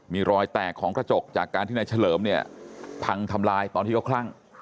มีรอยแตกของกระจกจากการที่นายเฉลิมเนี่ยพังทำลายตอนที่เขาคลั่ง